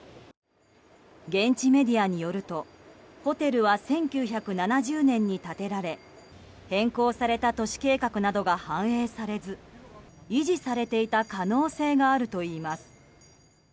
現地メディアによるとホテルは１９７０年に建てられ変更された都市計画などが反映されず維持されていた可能性があるといいます。